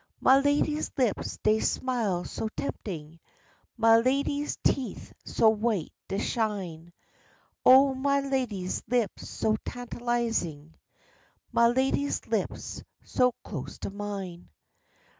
Ma lady's lips dey smile so temptin', Ma lady's teeth so white dey shine, Oh, ma lady's lips so tantalizin', Ma lady's lips so close to mine.